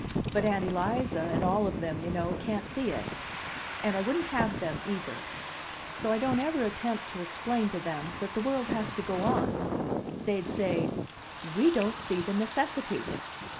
But Aunt Eliza, and all of them, you know, can't see it. And I wouldn't have them, either! So I don't ever attempt to explain to them that the world has to go on. They'd say, 'We don't see the necessity!